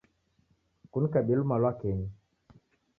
Kunikabie lumalwakenyi.